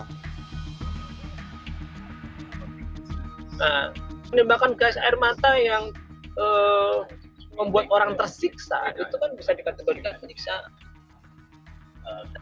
nah penembakan gas air mata yang membuat orang tersiksa itu kan bisa dikategorikan penyiksaan